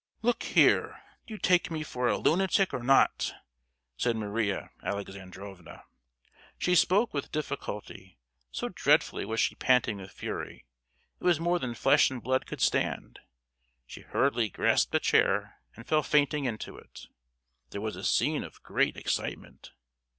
"Look here; do you take me for a lunatic, or not?" said Maria Alexandrovna. She spoke with difficulty, so dreadfully was she panting with fury. It was more than flesh and blood could stand. She hurriedly grasped a chair, and fell fainting into it. There was a scene of great excitement.